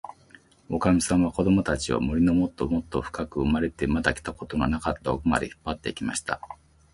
おかみさんは、こどもたちを、森のもっともっとふかく、生まれてまだ来たことのなかったおくまで、引っぱって行きました。